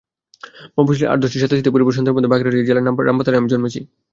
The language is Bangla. মফস্বলের আট–দশটি সাদাসিধে পরিবারের সন্তানের মতো বাগেরহাট জেলার রামপাল থানায় আমি জন্মেছি।